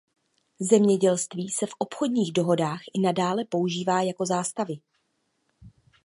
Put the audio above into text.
Zemědělství se v obchodních dohodách i nadále používá jako zástavy.